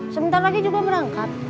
sebentar lagi juga merangkap